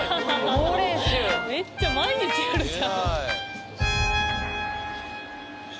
猛練習めっちゃ毎日やるじゃん！